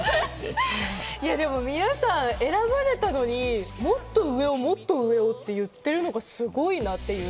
でも皆さん選ばれたのに、もっと上をもっと上をって言ってるのがすごいなっていう。